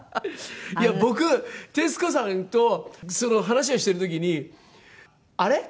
いや僕徹子さんと話をしてる時にあれ？